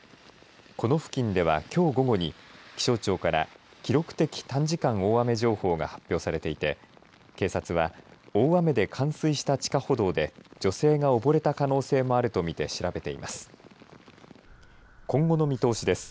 この付近では、きょう午後に気象庁から記録的短時間大雨情報が発表されていて警察は大雨で冠水した地下歩道で女性が溺れた可能性もあるとみて調べています。